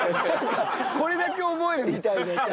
これだけ覚えるみたいなさ。